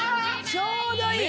ちょうどいい！